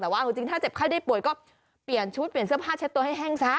แต่ว่าจริงถ้าเจ็บไข้ได้ป่วยก็เปลี่ยนชุดเปลี่ยนเสื้อผ้าเช็ดตัวให้แห้งซะ